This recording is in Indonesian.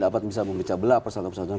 dapat bisa memecah belah persatuan persatuan